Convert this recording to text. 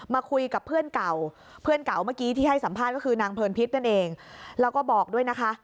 มาคุยกับเพื่อนเก่าเพื่อนเก่าเมื่อกี้ที่ให้สัมภาษณ์ก็คือนางเพลินพิษนั่นเองแล้วก็บอกด้วยนะคะ